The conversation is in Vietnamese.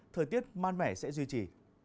thời tiết man mẻ sẽ duy trì